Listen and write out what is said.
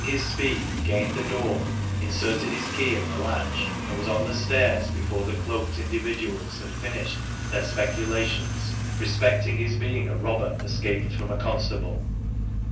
his speed he gained the door, inserted his key in the latch, and was on the stairs before the cloaked individuals had finished their speculations respecting his being a robber escaped from a constable.